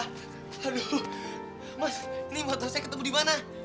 aduh mas ini motor saya ketemu di mana